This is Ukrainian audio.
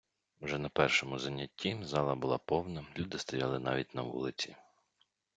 Вже на першому занятті зала була повна, люди стояли навіть на вулиці.